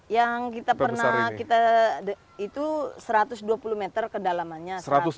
yang kita pernah itu satu ratus dua puluh meter kedalamannya